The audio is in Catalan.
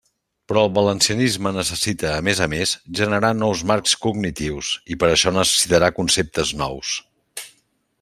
Però el valencianisme necessita a més a més generar nous marcs cognitius, i per això necessitarà conceptes nous.